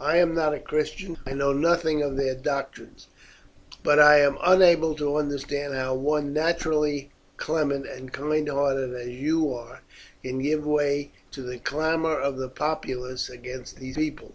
I am not a Christian, I know nothing of their doctrines; but I am unable to understand how one naturally clement and kind hearted as you are can give way to the clamour of the populace against these people.